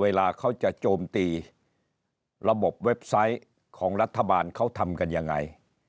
เวลาเขาจะโจมตีระบบเว็บไซต์ของรัฐบาลเขาทำกันยังไง